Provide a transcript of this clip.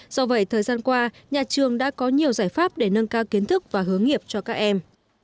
do vậy thời gian qua nhà trường đã có nhiều giải pháp để nâng cao kiến thức và hướng nghiệp cho các em